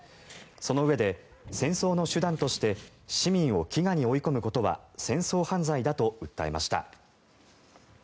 そのうえで、戦争の手段として市民を飢餓に追い込むことは戦争犯罪だと訴えました。